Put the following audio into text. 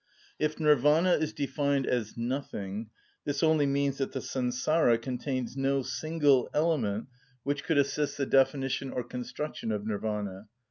If Nirvana is defined as nothing, this only means that the Sansara contains no single element which could assist the definition or construction of Nirvana.